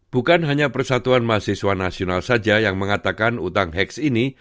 bukan hanya persatuan mahasiswa nasional saja yang mengatakan utang heks ini